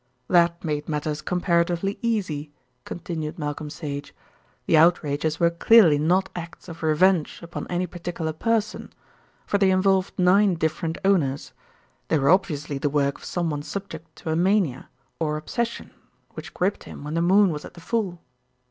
"That made matters comparatively easy," continued Malcolm Sage. "The outrages were clearly not acts of revenge upon any particular person; for they involved nine different owners. They were obviously the work of someone subject to a mania, or obsession, which gripped him when the moon was at the full."